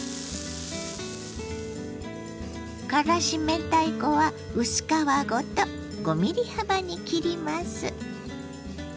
からし明太子は薄皮ごと５ｍｍ幅に切ります。